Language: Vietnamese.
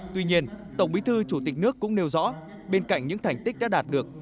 tuy nhiên tổng bí thư chủ tịch nước cũng nêu rõ bên cạnh những thành tích đã đạt được